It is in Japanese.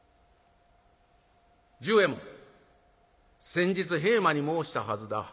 先日平馬に申したはずだ。